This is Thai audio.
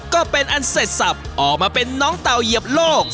ก็เป็นอันเสร็จสับออกมาเป็นน้องเต่าเหยียบโลก